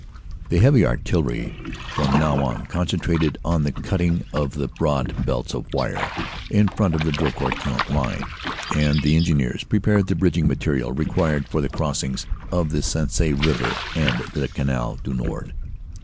"The Heavy Artillery from now on concentrated on the 143 144 CANADA S HUNDRED DAYS cutting of the broad belts of wire in front of the Drocourt Queant line, and the Engineers prepared the bridging material required for the crossings of the Sensee river and the Canal du Nord.